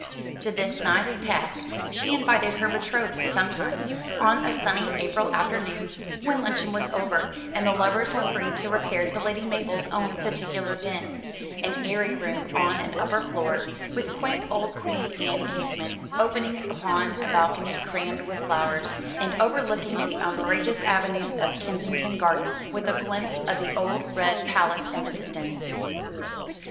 To this nice task she invited her betrothed sometimes on a sunny April afternoon, when luncheon was over, and the lovers were free to repair to Lady Mabel's own particular den an airy room on an upper floor, with quaint old Queen Anne casements opening upon a balcony crammed with flowers, and overlooking the umbrageous avenues of Kensington Garden, with a glimpse of the old red palace in the distance.